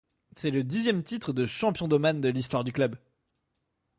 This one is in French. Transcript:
C'est le dixième titre de champion d'Oman de l’histoire du club.